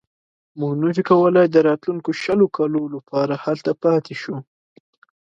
موږ نه شو کولای د راتلونکو شلو کالو لپاره هلته پاتې شو.